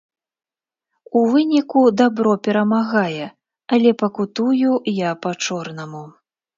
У выніку дабро перамагае, але пакутую я па-чорнаму.